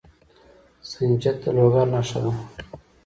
سنجد د لوګر نښه ده.